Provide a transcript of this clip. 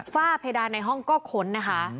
ฝ้าเพดานในห้องก็ค้นนะคะ